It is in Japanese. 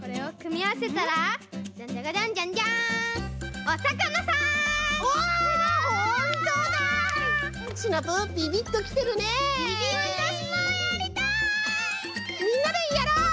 みんなでやろう！